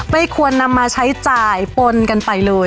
ไม่ควรนำมาใช้จ่ายปนกันไปเลย